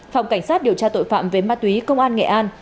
phòng cảnh sát điều tra tội phạm về ma túy công an nghệ an